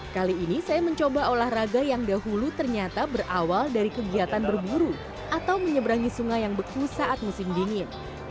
kali ini saya mencoba olahraga yang dahulu ternyata berawal dari kegiatan berburu atau menyeberangi sungai yang beku saat musim dingin